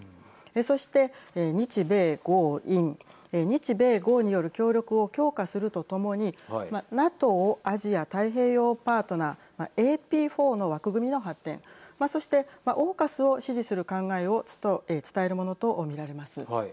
そして、日米豪印日米豪による協力を強化するとともにＮＡＴＯアジア太平洋パートナー＝ＡＰ４の枠組みの発展そしてＡＵＫＵＳを支持する考えを伝えるものと見られます。